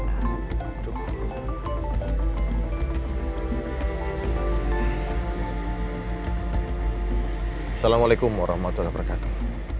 assalamualaikum warahmatullahi wabarakatuh